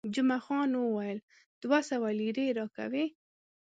جمعه خان وویل، دوه سوه لیرې راکوي.